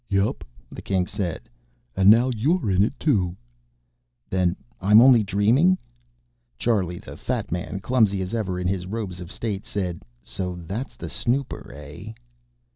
"Yep," the King said. "And now you're in it, too." "Then I'm only dreaming!" Charlie, the fat man, clumsy as ever in his robes of State, said: "So that's the snooper, eh?"